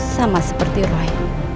sama seperti roy